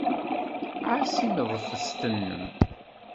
Ɛass timeḍfest-nnem.